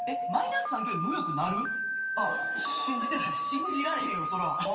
信じられへんよそれは。